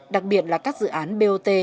đặc biệt là các dự án bot